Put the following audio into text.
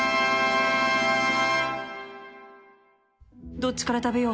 どっちから食べよう